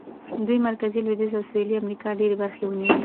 دوی مرکزي، لوېدیځه او سوېلي امریکا ډېرې برخې ونیولې.